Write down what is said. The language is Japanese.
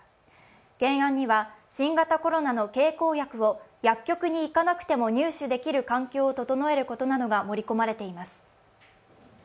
原案には新型コロナの経口薬を薬局に行かなくても入手できる環境を整えることなどが盛り込まれています。